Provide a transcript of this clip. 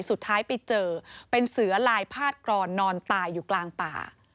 สุดท้ายไปเจอเป็นเสือลายพาดกรอนนอนตายอยู่กลางป่า